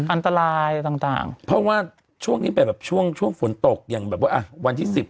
อันตรายต่างเพราะว่าช่วงนี้เป็นแบบช่วงช่วงฝนตกอย่างแบบว่าอ่ะวันที่สิบ